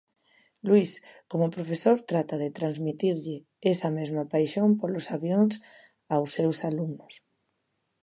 Luís, como profesor, trata de transmitirlle esa mesma paixón polos avións aos seus alumnos.